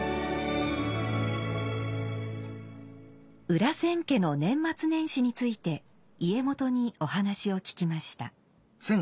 裏千家の年末年始について家元にお話を聞きました。